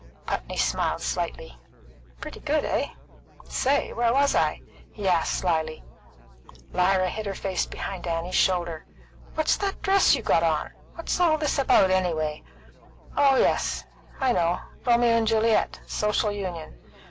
Putney smiled slightly. "Pretty good, eh? Say, where was I?" he asked slyly. Lyra hid her face behind Annie's shoulder. "What's that dress you got on? What's all this about, anyway? Oh yes, I know. Romeo and Juliet Social Union.